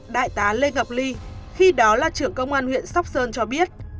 đại tá lê ngọc ly khi đó là trưởng công an huyện sóc sơn cho biết